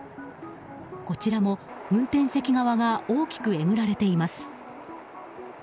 こちらも運転席側が大きくえぐられています。